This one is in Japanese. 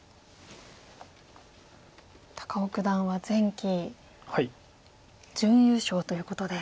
高尾九段は前期準優勝ということで。